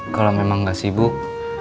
kalau memang gak sibuk